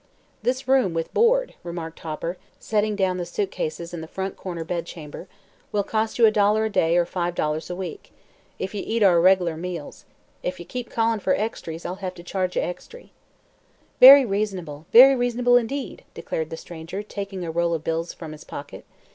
"This room, with board," remarked Hopper, setting down the suit cases in the front corner bedchamber, "will cost you a dollar a day, or five dollars a week if you eat our reg'lar meals. If ye keep callin' fer extrys, I'll hev to charge ye extry." "Very reasonable; very reasonable, indeed," declared the stranger, taking a roll of bills from his pocket.